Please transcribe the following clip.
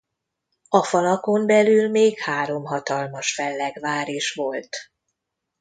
A falakon belül még három hatalmas fellegvár is volt.